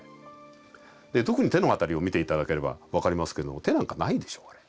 特に手の辺りを見て頂ければ分かりますけども手なんかないでしょうあれ。